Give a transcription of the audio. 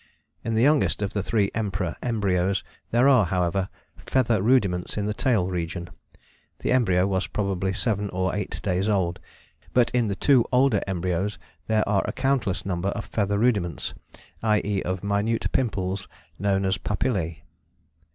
In the youngest of the three Emperor embryos there are, however, feather rudiments in the tail region, the embryo was probably seven or eight days old but in the two older embryos there are a countless number of feather rudiments, i.e. of minute pimples known as papillae.